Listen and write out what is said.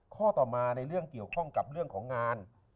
ข้อต่อมาในเรื่องเกี่ยวข้องกับเรื่องของงาน